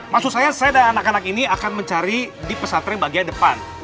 maksud saya saya dan anak anak ini akan mencari di pesantren bagian depan